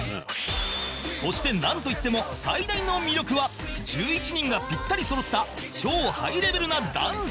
そしてなんといっても最大の魅力は１１人がピッタリそろった超ハイレベルなダンス